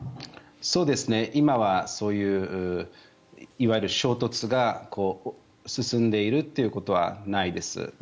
今はそういういわゆる衝突が進んでいるということはないです。